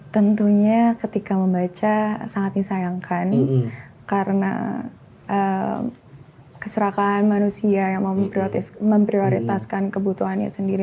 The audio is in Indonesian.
tentunya ketika membaca sangat disayangkan karena keserakaan manusia yang memprioritaskan kebutuhannya sendiri